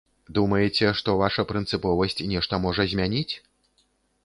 Думаеце, што ваша прынцыповасць нешта можа змяніць?